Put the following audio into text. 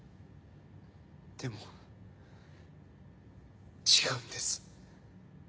でも違うんです。